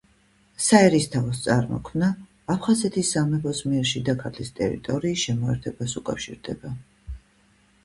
საერისთავოს წარმოქმნა აფხაზეთის სამეფოს მიერ შიდა ქართლის ტერიტორიის შემოერთებას უკავშირდება.